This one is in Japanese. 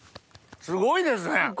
すごいですね！